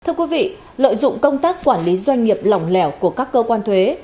thưa quý vị lợi dụng công tác quản lý doanh nghiệp lỏng lẻo của các cơ quan thuế